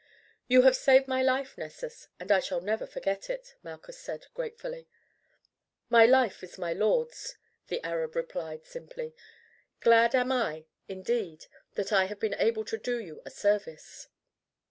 "You have saved my life, Nessus, and I shall never forget it," Malchus said gratefully. "My life is my lord's," the Arab replied simply. "Glad am I indeed that I have been able to do you a service."